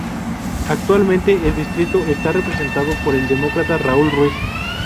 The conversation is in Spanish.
Actualmente el distrito está representado por el Demócrata Raul Ruiz.